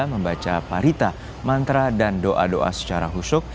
membaca parita mantra dan doa doa secara husuk